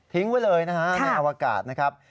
ไว้เลยนะฮะในอวกาศนะครับ